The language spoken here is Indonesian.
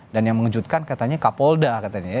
dan yang mengejutkan katanya kapolda katanya ya